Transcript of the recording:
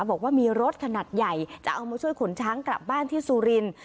บอกว่ามีรถขนาดใหญ่จะเอามาช่วยขนช้างกลับบ้านที่สุรินทร์